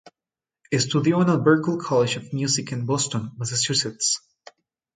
Estudió en el Berklee College of Music en Boston, Massachusetts.